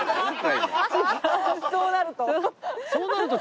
そうなると？